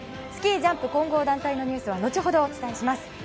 スキージャンプ混合団体のニュースは後ほどお伝えします。